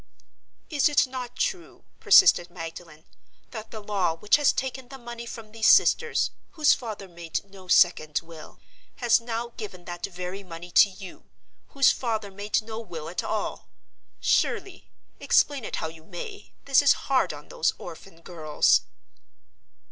"Is it not true," persisted Magdalen, "that the law which has taken the money from these sisters, whose father made no second will, has now given that very money to you, whose father made no will at all? Surely, explain it how you may, this is hard on those orphan girls?"